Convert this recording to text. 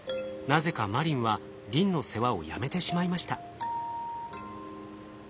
なぜかマリンはリンの世話をやめてしまいました。